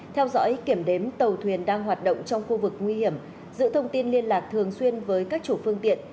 theo dõi kiểm đếm tàu thuyền đang hoạt động trong khu vực nguy hiểm giữ thông tin liên lạc thường xuyên với các chủ phương tiện